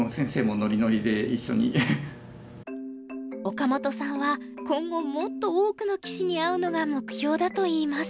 岡本さんは今後もっと多くの棋士に会うのが目標だといいます。